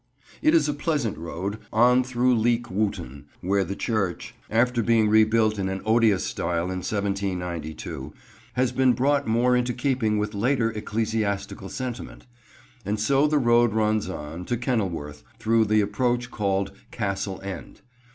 It is a pleasant road, on through Leek Wootton, where the church, after being rebuilt in an odious style in 1792, has been brought more into keeping with later ecclesiastical sentiment. And so the road runs on, to Kenilworth, through the approach called Castle End.